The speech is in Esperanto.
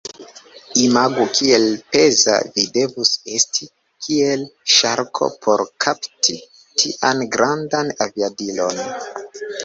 Imagu kiel peza vi devus esti, kiel ŝarko, por kapti tian grandan aviadilon.